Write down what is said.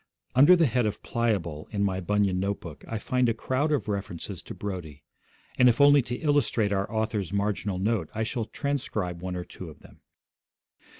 Under the head of 'Pliable' in my Bunyan note book I find a crowd of references to Brodie; and if only to illustrate our author's marginal note, I shall transcribe one or two of them.